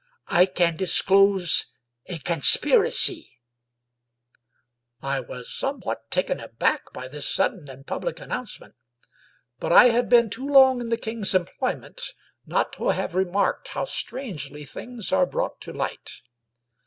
I can disclose a conspiracy !" I was somewhat taken aback by this sudden and public announcement. But I had been too long in the king's employment not to have remarked how strangely things are brought to light.